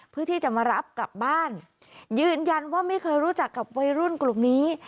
เพื่อที่จะมารับกลับบ้านยืนยันว่าไม่เคยรู้จักกับวัยรุ่นกลุ่มนี้